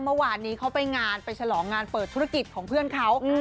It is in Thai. เมื่อวานนี้เขาไปงานไปฉลองงานเปิดธุรกิจของเพื่อนเขา